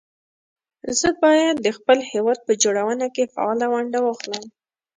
زه بايد د خپل هېواد په جوړونه کې فعاله ونډه واخلم